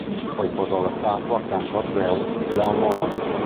Poi posò la statua accanto a Zeus e la onorò.